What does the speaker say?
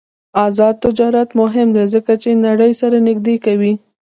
آزاد تجارت مهم دی ځکه چې نړۍ سره نږدې کوي.